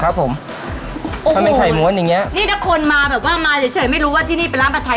ครับผมถ้าเป็นไข่ม้วนอย่างเงี้นี่ถ้าคนมาแบบว่ามาเฉยเฉยไม่รู้ว่าที่นี่เป็นร้านผัดไทย